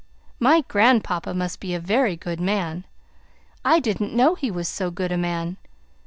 My grandpapa must be a very good man. I didn't know he was so good a man.